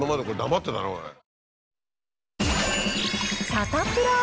サタプラ。